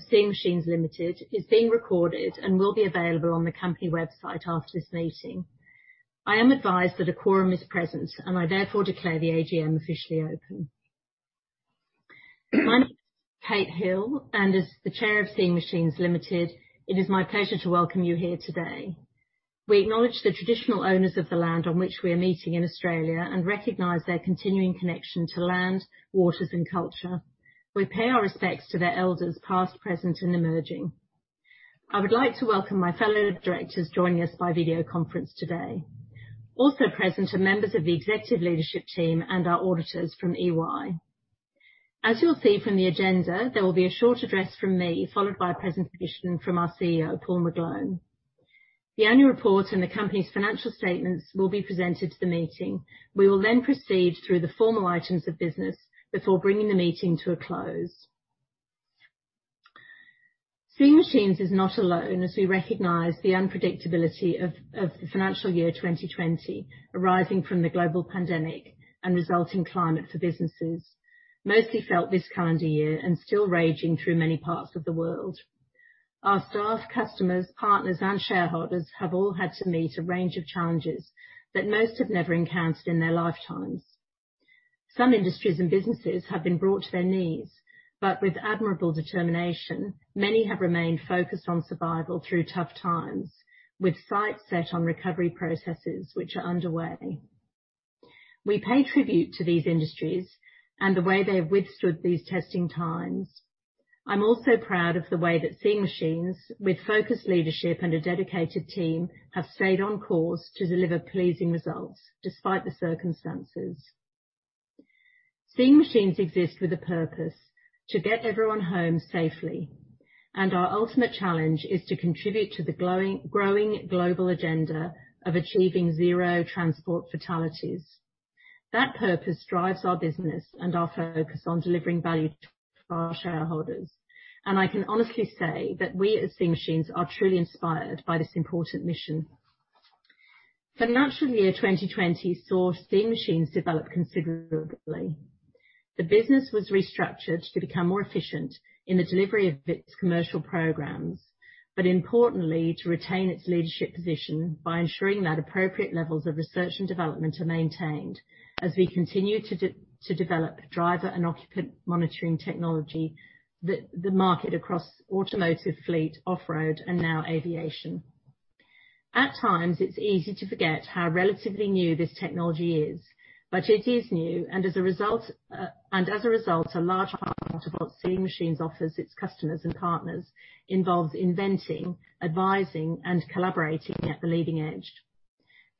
Seeing Machines Limited is being recorded and will be available on the company website after this meeting. I am advised that a quorum is present. I therefore declare the Annual General Meeting officially open. My name is Kate Hill. As the Chair of Seeing Machines Limited, it is my pleasure to welcome you here today. We acknowledge the traditional owners of the land on which we are meeting in Australia and recognize their continuing connection to land, waters, and culture. We pay our respects to their elders past, present, and emerging. I would like to welcome my fellow directors joining us by video conference today. Also present are members of the executive leadership team and our auditors from EY. As you'll see from the agenda, there will be a short address from me, followed by a presentation from our Chief Executive Officer, Paul McGlone. The annual report and the company's financial statements will be presented to the meeting. We will proceed through the formal items of business before bringing the meeting to a close. Seeing Machines is not alone as we recognize the unpredictability of the financial year 2020, arising from the global pandemic and resulting climate for businesses, mostly felt this calendar year and still raging through many parts of the world. Our staff, customers, partners, and shareholders have all had to meet a range of challenges that most have never encountered in their lifetimes. Some industries and businesses have been brought to their knees, but with admirable determination, many have remained focused on survival through tough times, with sights set on recovery processes which are underway. We pay tribute to these industries and the way they have withstood these testing times. I'm also proud of the way that Seeing Machines, with focused leadership and a dedicated team, have stayed on course to deliver pleasing results despite the circumstances. Seeing Machines exists with a purpose: to get everyone home safely. Our ultimate challenge is to contribute to the growing global agenda of achieving zero transport fatalities. That purpose drives our business and our focus on delivering value to our shareholders, and I can honestly say that we at Seeing Machines are truly inspired by this important mission. Financial year 2020 saw Seeing Machines develop considerably. The business was restructured to become more efficient in the delivery of its commercial programs, but importantly, to retain its leadership position by ensuring that appropriate levels of research and development are maintained as we continue to develop driver and occupant monitoring technology, the market across automotive, fleet, off-road, and now aviation. At times, it's easy to forget how relatively new this technology is. It is new, and as a result, a large part of what Seeing Machines offers its customers and partners involves inventing, advising, and collaborating at the leading edge.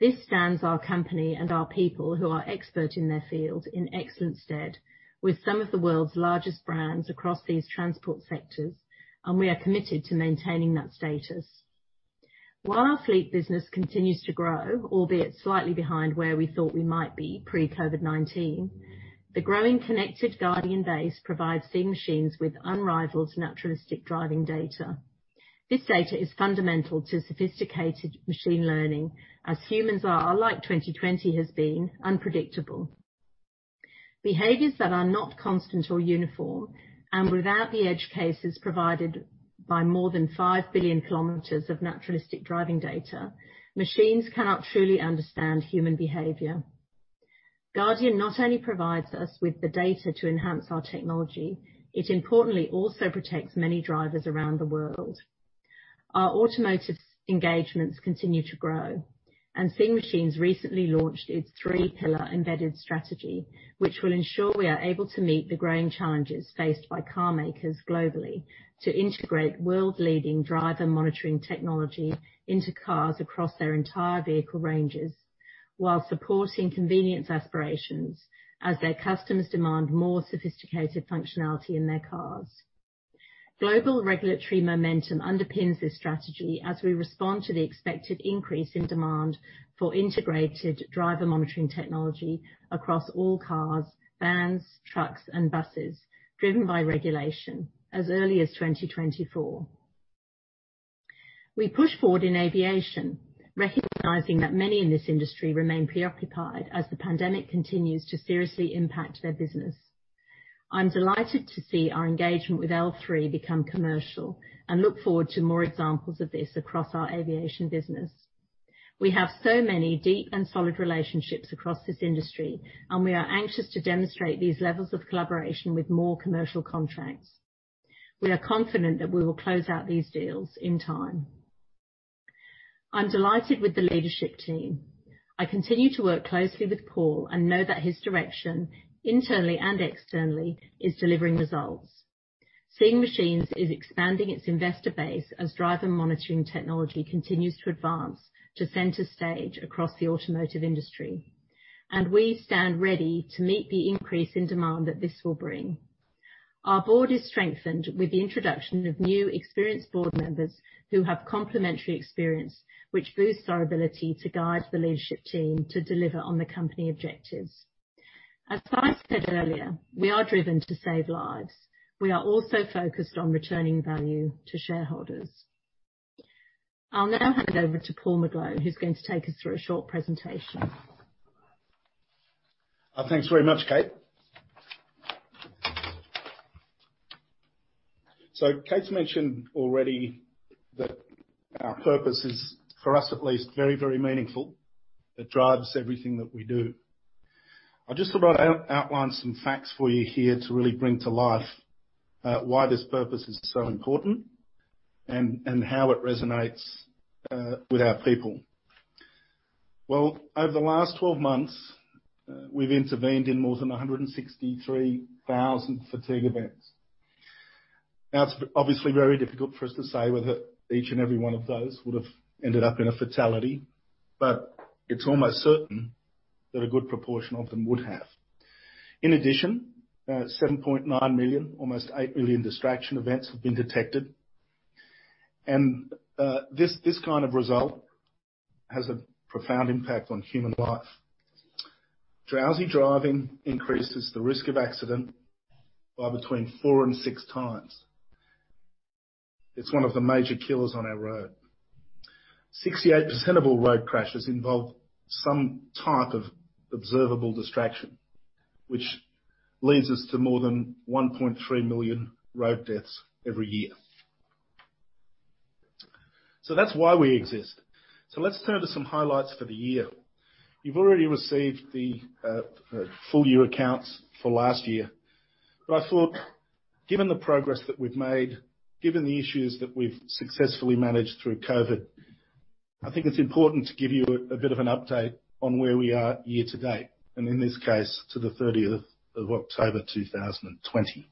This stands our company and our people who are expert in their field in excellent stead with some of the world's largest brands across these transport sectors, and we are committed to maintaining that status. While our fleet business continues to grow, albeit slightly behind where we thought we might be pre-COVID-19, the growing connected Guardian base provides Seeing Machines with unrivaled naturalistic driving data. This data is fundamental to sophisticated machine learning, as humans are, like 2020 has been, unpredictable. Behaviors that are not constant or uniform, and without the edge cases provided by more than 5 billion km of naturalistic driving data, machines cannot truly understand human behavior. Guardian not only provides us with the data to enhance our technology, it importantly also protects many drivers around the world. Our automotive engagements continue to grow. Seeing Machines recently launched its three-pillar embedded strategy, which will ensure we are able to meet the growing challenges faced by car makers globally to integrate world-leading driver monitoring technology into cars across their entire vehicle ranges while supporting convenience aspirations as their customers demand more sophisticated functionality in their cars. Global regulatory momentum underpins this strategy as we respond to the expected increase in demand for integrated driver monitoring technology across all cars, vans, trucks, and buses driven by regulation as early as 2024. We push forward in aviation, recognizing that many in this industry remain preoccupied as the pandemic continues to seriously impact their business. I'm delighted to see our engagement with L-3 become commercial and look forward to more examples of this across our aviation business. We have so many deep and solid relationships across this industry, and we are anxious to demonstrate these levels of collaboration with more commercial contracts. We are confident that we will close out these deals in time. I'm delighted with the leadership team. I continue to work closely with Paul and know that his direction, internally and externally, is delivering results. Seeing Machines is expanding its investor base as driver monitoring technology continues to advance to center stage across the automotive industry. We stand ready to meet the increase in demand that this will bring. Our board is strengthened with the introduction of new experienced board members who have complementary experience, which boosts our ability to guide the leadership team to deliver on the company objectives. As I said earlier, we are driven to save lives. We are also focused on returning value to shareholders. I'll now hand it over to Paul McGlone, who's going to take us through a short presentation. Thanks very much, Kate. Kate's mentioned already that our purpose is, for us at least, very, very meaningful. It drives everything that we do. I just thought I'd outline some facts for you here to really bring to life why this purpose is so important and how it resonates with our people. Well, over the last 12 months, we've intervened in more than 163,000 fatigue events. Now, it's obviously very difficult for us to say whether each and every one of those would've ended up in a fatality, but it's almost certain that a good proportion of them would have. In addition, 7.9 million, almost 8 million distraction events have been detected. This kind of result has a profound impact on human life. Drowsy driving increases the risk of accident by between 4x-6x. It's one of the major killers on our road. 68% of all road crashes involve some type of observable distraction, which leads us to more than 1.3 million road deaths every year. That's why we exist. Let's turn to some highlights for the year. You've already received the full year accounts for last year. I thought, given the progress that we've made, given the issues that we've successfully managed through COVID-19, I think it's important to give you a bit of an update on where we are year to date, and in this case, to the October 30th, 2020.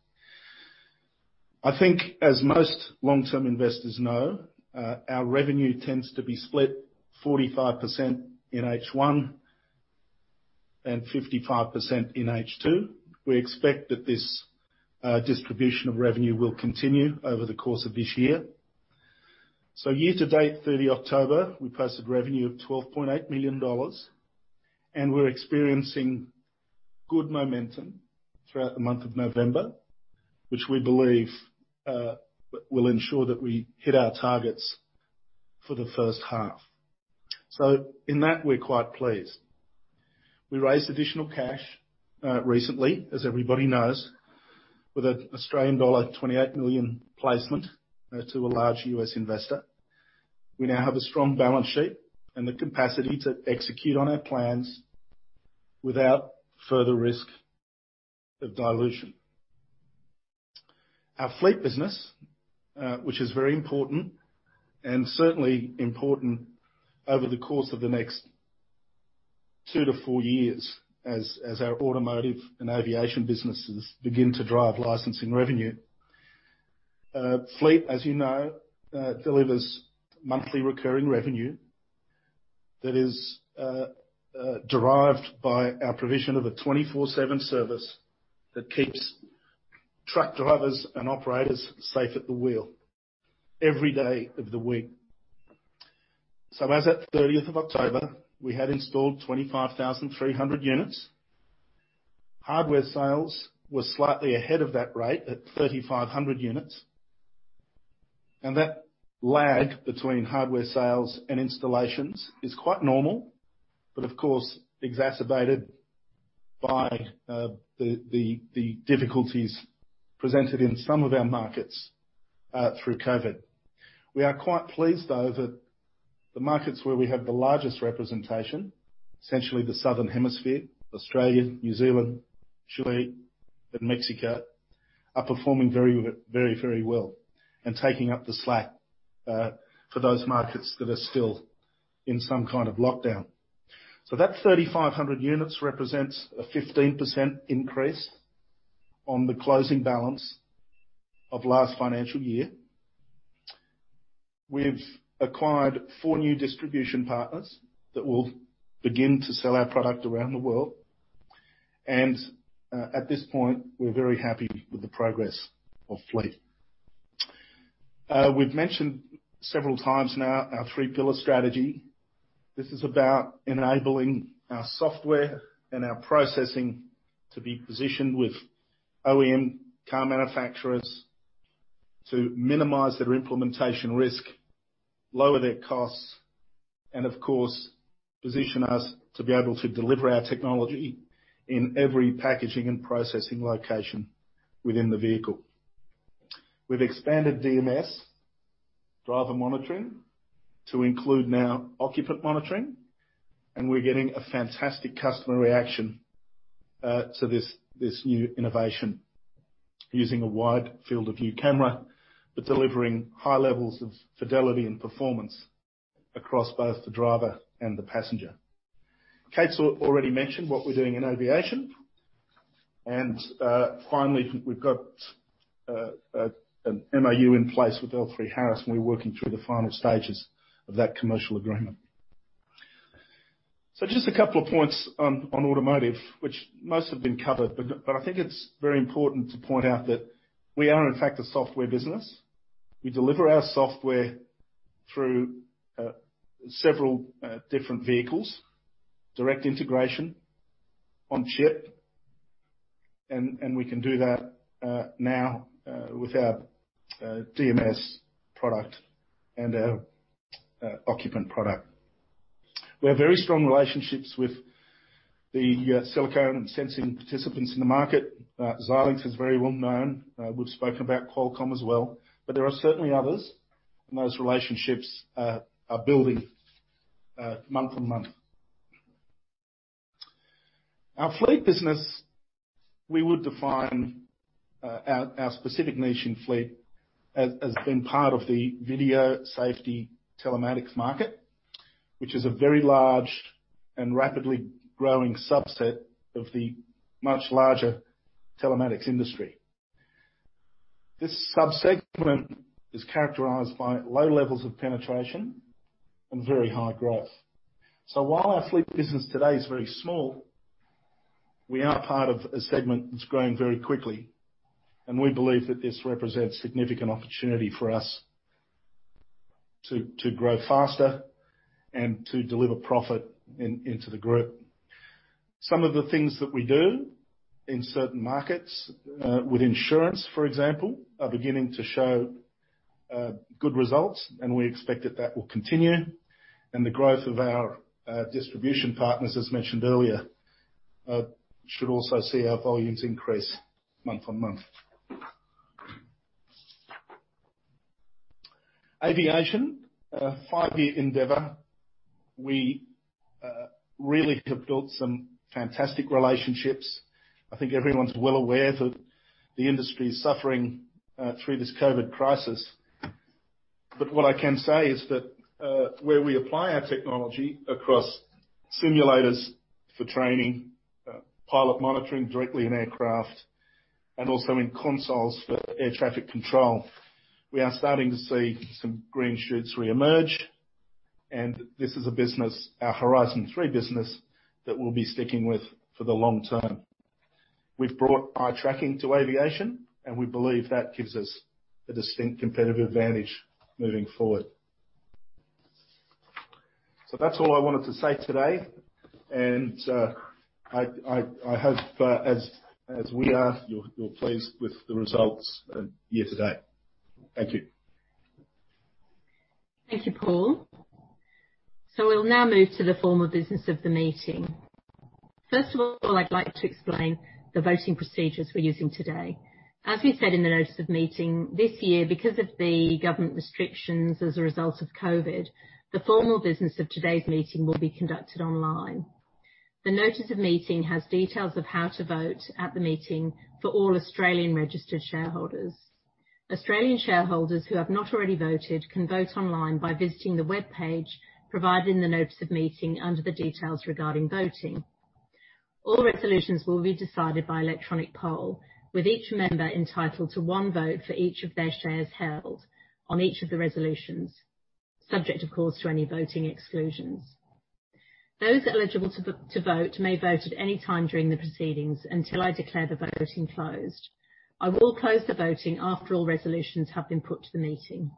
I think as most long-term investors know, our revenue tends to be split 45% in H1 and 55% in H2. We expect that this distribution of revenue will continue over the course of this year. Year to date, October 30th, we posted revenue of 12.8 million dollars, and we're experiencing good momentum throughout the month of November, which we believe will ensure that we hit our targets for the first half. In that, we're quite pleased. We raised additional cash recently, as everybody knows, with an Australian dollar 28 million placement to a large U.S. investor. We now have a strong balance sheet and the capacity to execute on our plans without further risk of dilution. Our fleet business, which is very important, and certainly important over the course of the next two to four years as our automotive and aviation businesses begin to drive licensing revenue. Fleet, as you know, delivers monthly recurring revenue that is derived by our provision of a 24/7 service that keeps truck drivers and operators safe at the wheel every day of the week. As at October 30th, we had installed 25,300 units. Hardware sales were slightly ahead of that rate at 3,500 units. That lag between hardware sales and installations is quite normal, but of course, exacerbated by the difficulties presented in some of our markets, through COVID. We are quite pleased, though, that the markets where we have the largest representation, essentially the Southern Hemisphere, Australia, New Zealand, Chile, and Mexico, are performing very, very well and taking up the slack for those markets that are still in some kind of lockdown. That 3,500 units represents a 15% increase on the closing balance of last financial year. We've acquired four new distribution partners that will begin to sell our product around the world. At this point, we're very happy with the progress of fleet. We've mentioned several times now our three-pillar strategy. This is about enabling our software and our processing to be positioned with OEM car manufacturers to minimize their implementation risk, lower their costs, and of course, position us to be able to deliver our technology in every packaging and processing location within the vehicle. We've expanded DMS, driver monitoring, to include now occupant monitoring, and we're getting a fantastic customer reaction to this new innovation using a wide field of view camera, but delivering high levels of fidelity and performance across both the driver and the passenger. Kate's already mentioned what we're doing in aviation. Finally, we've got an MOU in place with L3Harris, and we're working through the final stages of that commercial agreement. Just a couple of points on automotive, which most have been covered. I think it's very important to point out that we are, in fact, a software business. We deliver our software through several different vehicles: direct integration, on chip. We can do that now with our DMS product and our occupant product. We have very strong relationships with the silicon and sensing participants in the market. Xilinx is very well known. We've spoken about Qualcomm as well. There are certainly others, and those relationships are building month on month. Our fleet business, we would define our specific niche in fleet as being part of the video safety telematics market, which is a very large and rapidly growing subset of the much larger telematics industry. This sub-segment is characterized by low levels of penetration and very high growth. While our fleet business today is very small, we are part of a segment that's growing very quickly, and we believe that this represents significant opportunity for us to grow faster and to deliver profit into the group. Some of the things that we do in certain markets, with insurance, for example, are beginning to show good results. We expect that will continue. The growth of our distribution partners, as mentioned earlier, should also see our volumes increase month-on-month. Aviation, a five-year endeavor. We really have built some fantastic relationships. I think everyone's well aware that the industry is suffering through this COVID-19 crisis. What I can say is that where we apply our technology across simulators for training, pilot monitoring directly in aircraft, and also in consoles for air traffic control, we are starting to see some green shoots reemerge, and this is a business, our Horizon 3 business, that we'll be sticking with for the long term. We've brought our tracking to aviation, and we believe that gives us a distinct competitive advantage moving forward. That's all I wanted to say today, and I hope as we are, you're pleased with the results year to date. Thank you. Thank you, Paul. We'll now move to the formal business of the meeting. First of all, I'd like to explain the voting procedures we're using today. As we said in the notice of meeting, this year, because of the government restrictions as a result of COVID-19, the formal business of today's meeting will be conducted online. The notice of meeting has details of how to vote at the meeting for all Australian registered shareholders. Australian shareholders who have not already voted can vote online by visiting the webpage provided in the notice of meeting under the details regarding voting. All resolutions will be decided via electronic poll, with each member entitled to one vote for each of their shares held on each of the resolutions, subject, of course, to any voting exclusions. Those eligible to vote may vote at any time during the proceedings until I declare the voting closed. I will close the voting after all resolutions have been put to the meeting.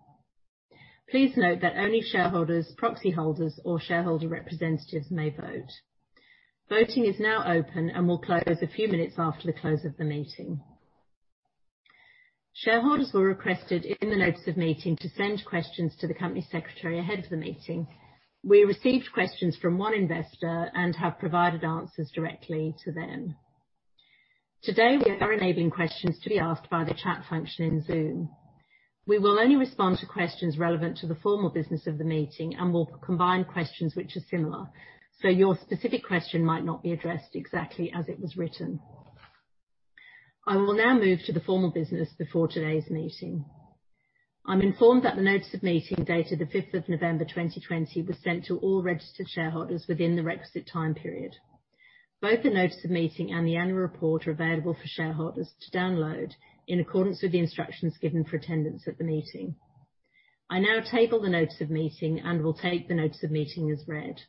Please note that only shareholders, proxy holders, or shareholder representatives may vote. Voting is now open and will close a few minutes after the close of the meeting. Shareholders were requested in the notice of meeting to send questions to the company secretary ahead of the meeting. We received questions from one investor and have provided answers directly to them. Today, we are enabling questions to be asked via the chat function in Zoom. We will only respond to questions relevant to the formal business of the meeting and will combine questions which are similar. Your specific question might not be addressed exactly as it was written. I will now move to the formal business before today's meeting. I'm informed that the notice of meeting dated the 5th of November 2020 was sent to all registered shareholders within the requisite time period. Both the notice of meeting and the annual report are available for shareholders to download in accordance with the instructions given for attendance at the meeting. I now table the notice of meeting and will take the notice of meeting as read.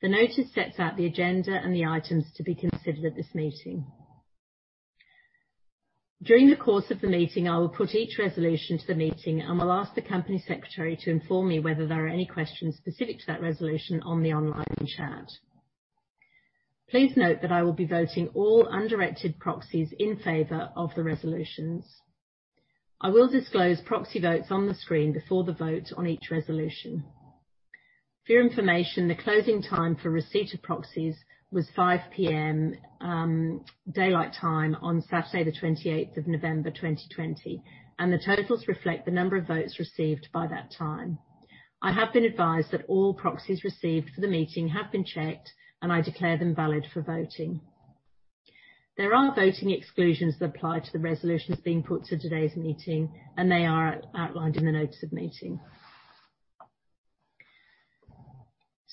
The notice sets out the agenda and the items to be considered at this meeting. During the course of the meeting, I will put each resolution to the meeting. Will ask the Company Secretary to inform me whether there are any questions specific to that resolution on the online chat. Please note that I will be voting all undirected proxies in favor of the resolutions. I will disclose proxy votes on the screen before the vote on each resolution. For your information, the closing time for receipt of proxies was 5:00 PM daylight time on Saturday the November 28th, 2020, and the totals reflect the number of votes received by that time. I have been advised that all proxies received for the meeting have been checked, and I declare them valid for voting. There are voting exclusions that apply to the resolutions being put to today's meeting, and they are outlined in the notice of meeting.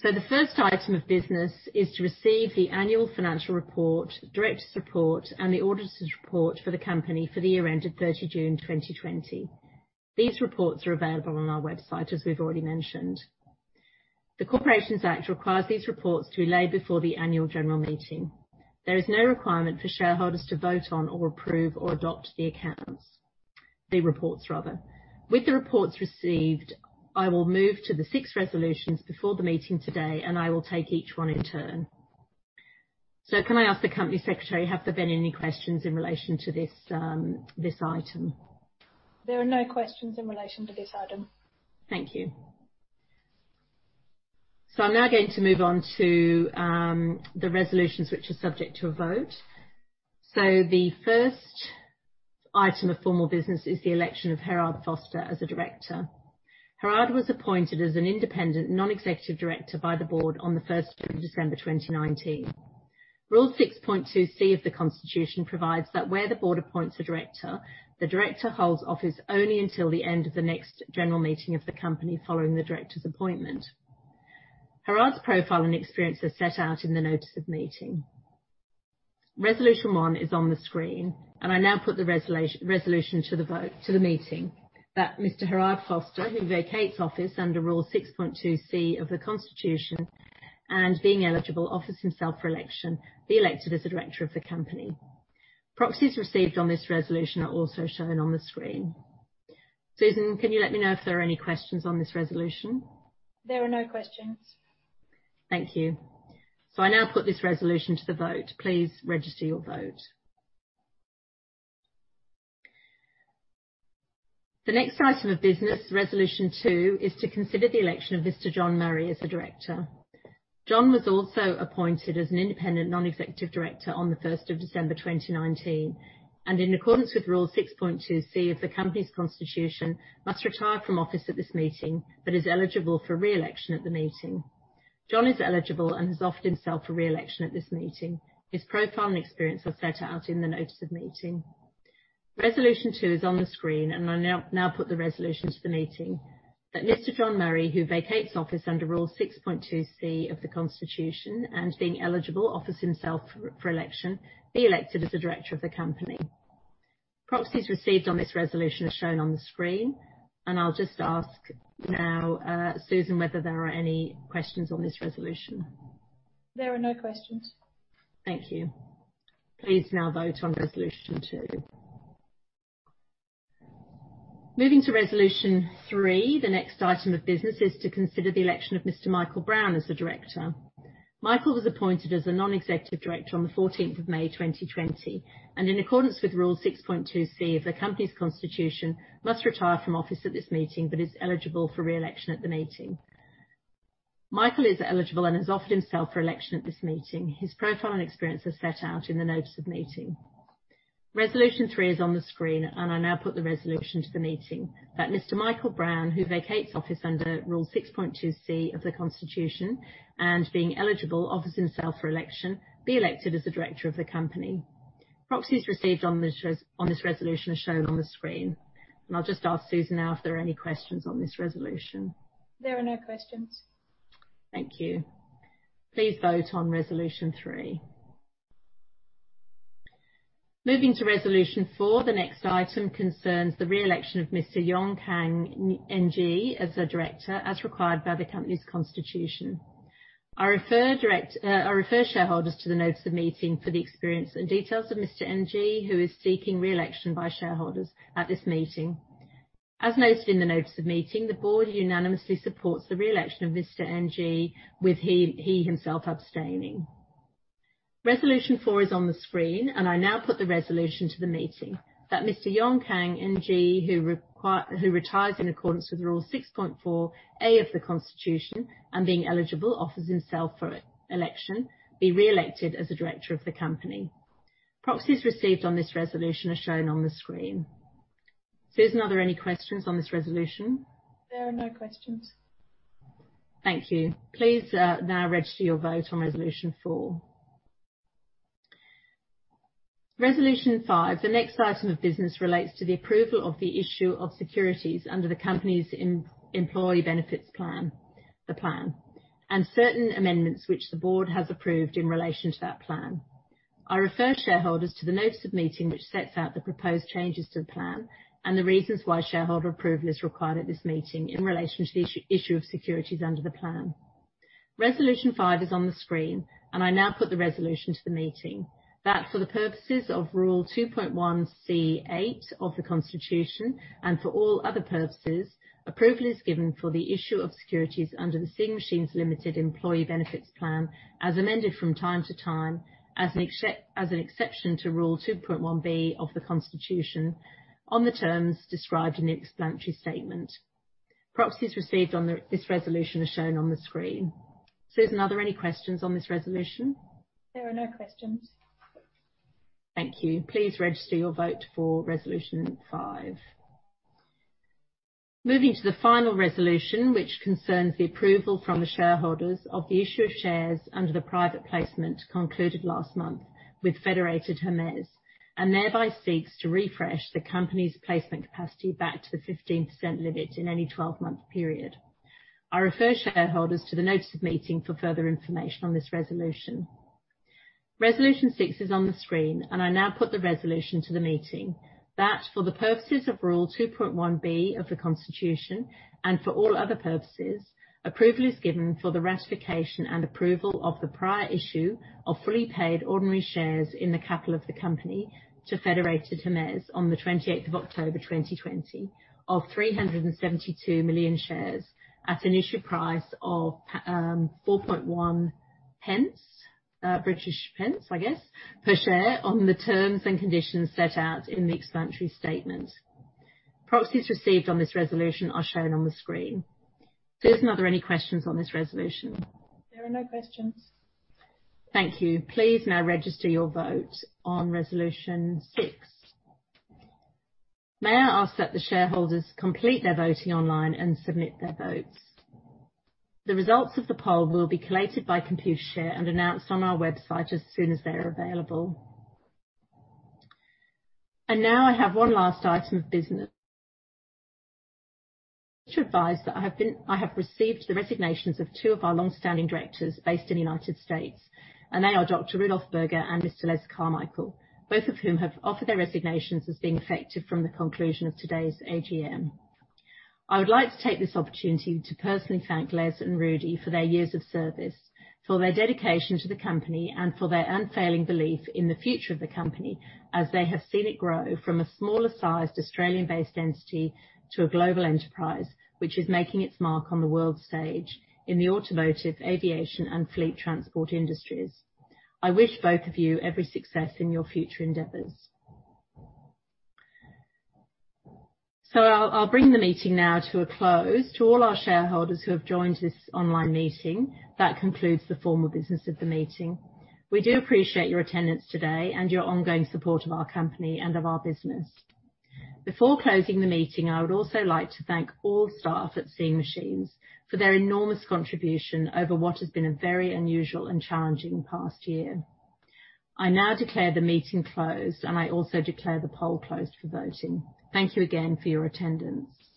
The first item of business is to receive the annual financial report, Directors Report, and the Auditor's Report for the company for the year ended June 30th, 2020. These reports are available on our website, as we've already mentioned. The Corporations Act requires these reports to be laid before the annual general meeting. There is no requirement for shareholders to vote on or approve or adopt the accounts. The reports rather. With the reports received, I will move to the six resolutions before the meeting today, and I will take each one in turn. Can I ask the Company Secretary, have there been any questions in relation to this item? There are no questions in relation to this item. Thank you. I'm now going to move on to the resolutions which are subject to a vote. The first item of formal business is the election of Gerhard Vorster as a director. Gerhard was appointed as an independent Non-Executive Director by the board on the December 1st, 2019. Rule 6.2C of the Constitution provides that where the board appoints a director, the director holds office only until the end of the next general meeting of the company following the director's appointment. Gerhard's profile and experience are set out in the notice of meeting. Resolution 1 is on the screen, and I now put the resolution to the meeting that Mr. Gerhard Vorster, who vacates office under Rule 6.2C of the Constitution and being eligible, offers himself for election, be elected as a director of the company. Proxies received on this resolution are also shown on the screen. Susan, can you let me know if there are any questions on this resolution? There are no questions. Thank you. I now put this resolution to the vote. Please register your vote. The next item of business, resolution two, is to consider the election of Mr. John Murray as a director. John was also appointed as an independent non-executive director on the December 1st, 2019, and in accordance with Rule 6.2C of the company's Constitution, must retire from office at this meeting but is eligible for re-election at the meeting. John is eligible and has offered himself for re-election at this meeting. His profile and experience are set out in the notice of meeting. Resolution two is on the screen, and I now put the resolution to the meeting that Mr. John Murray, who vacates office under Rule 6.2C of the Constitution and being eligible, offers himself for election, be elected as a director of the company. Proxies received on this resolution are shown on the screen. I'll just ask now, Susan, whether there are any questions on this resolution. There are no questions. Thank you. Please now vote on Resolution 2. Moving to Resolution 3, the next item of business is to consider the election of Mr. Michael Brown as a director. Michael was appointed as a Non-Executive Director on the May 14th, 2020 and in accordance with Rule 6.2C of the company's Constitution, must retire from office at this meeting but is eligible for re-election at the meeting. Michael is eligible and has offered himself for election at this meeting. His profile and experience are set out in the notice of meeting. Resolution 3 is on the screen, I now put the resolution to the meeting that Mr. Michael Brown, who vacates office under Rule 6.2C of the Constitution and being eligible, offers himself for election, be elected as a director of the company. Proxies received on this resolution are shown on the screen. I'll just ask Susan now if there are any questions on this resolution. There are no questions. Thank you. Please vote on Resolution 3. Moving to Resolution 4, the next item concerns the re-election of Mr. Yong Kang Ng as a director, as required by the company's Constitution. I refer shareholders to the notice of meeting for the experience and details of Mr. Ng, who is seeking re-election by shareholders at this meeting. As noted in the notice of meeting, the board unanimously supports the re-election of Mr. Ng, with he himself abstaining. Resolution 4 is on the screen, I now put the resolution to the meeting that Mr. Yong Kang Ng, who retires in accordance with Rule 6.4A of the Constitution and being eligible, offers himself for election, be re-elected as a director of the company. Proxies received on this resolution are shown on the screen. Susan, are there any questions on this resolution? There are no questions. Thank you. Please now register your vote on resolution 4. Resolution 5. The next item of business relates to the approval of the issue of securities under the company's employee benefits plan, the plan, and certain amendments which the board has approved in relation to that plan. I refer shareholders to the notice of meeting, which sets out the proposed changes to the plan and the reasons why shareholder approval is required at this meeting in relation to the issue of securities under the plan. Resolution five is on the screen, and I now put the resolution to the meeting that for the purposes of Rule 2.1C8 of the Constitution and for all other purposes, approval is given for the issue of securities under the Seeing Machines Limited Employee Benefits Plan, as amended from time to time as an exception to Rule 2.1B of the Constitution on the terms described in the explanatory statement. Proxies received on this resolution are shown on the screen. Susan, are there any questions on this resolution? There are no questions. Thank you. Please register your vote for resolution five. Moving to the final resolution, which concerns the approval from the shareholders of the issue of shares under the private placement concluded last month with Federated Hermes, thereby seeks to refresh the company's placement capacity back to the 15% limit in any 12-month period. I refer shareholders to the notice of meeting for further information on this resolution. Resolution 6 is on the screen, and I now put the resolution to the meeting that for the purposes of Rule 2.1B of the Constitution, and for all other purposes, approval is given for the ratification and approval of the prior issue of fully paid ordinary shares in the capital of the company to Federated Hermes on the 28th of October 2020 of 372 million shares at an issue price of 0.041, I guess, per share on the terms and conditions set out in the explanatory statement. Proxies received on this resolution are shown on the screen. Susan, are there any questions on this resolution? There are no questions. Thank you. Please now register your vote on resolution six. May I ask that the shareholders complete their voting online and submit their votes? The results of the poll will be collated by Computershare and announced on our website as soon as they are available. Now I have one last item of business. To advise that I have received the resignations of two of our longstanding directors based in the United States, and they are Dr. Rudolph Burger and Mr. Les Carmichael, both of whom have offered their resignations as being effective from the conclusion of today's AGM. I would like to take this opportunity to personally thank Les and Rudy for their years of service, for their dedication to the company, and for their unfailing belief in the future of the company as they have seen it grow from a smaller-sized Australian-based entity to a global enterprise, which is making its mark on the world stage in the automotive, aviation, and fleet transport industries. I wish both of you every success in your future endeavors. I'll bring the meeting now to a close. To all our shareholders who have joined this online meeting, that concludes the formal business of the meeting. We do appreciate your attendance today and your ongoing support of our company and of our business. Before closing the meeting, I would also like to thank all staff at Seeing Machines for their enormous contribution over what has been a very unusual and challenging past year. I now declare the meeting closed, and I also declare the poll closed for voting. Thank you again for your attendance.